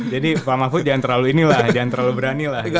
jadi pak mahfud jangan terlalu ini lah jangan terlalu berani lah